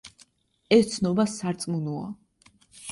ეს ცნობა სარწმუნოა.